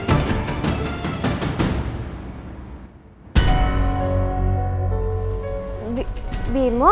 oh aku lagi belajar